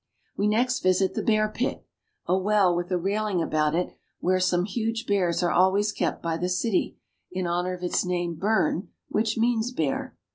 We next visit the bear pit, a well with a railing about it where some huge bears are always kept by the cir honor of its name " Bern," which means bear.